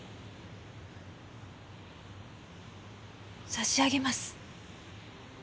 差し上げます。